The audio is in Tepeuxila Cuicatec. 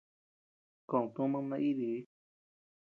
Kód tumad naídii.